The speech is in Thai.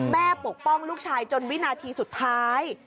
ปกป้องลูกชายจนวินาทีสุดท้าย